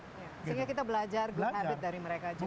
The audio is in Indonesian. sehingga kita belajar dari mereka juga